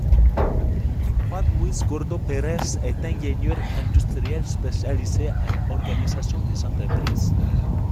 Juan Luis Gordo Pérez est ingénieur industriel spécialisé en organisation des entreprises.